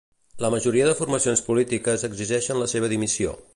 La majoria de formacions polítiques exigeixen la seva dimissió.